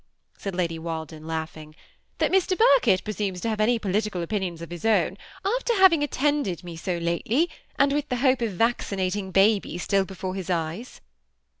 said Lady Walden, laughing, ^'that Mr. Birkett presumes to have' any political opinions of his own, after having attended me so lately, and with the hc^e of vaccinating haby stiU before his eyes?"